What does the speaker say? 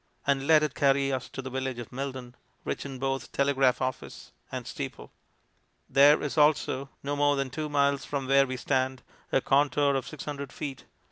and let it carry us to the village of Milden, rich in both telegraph office and steeple. There is also, no more than two miles from where we stand, a contour of 600 ft.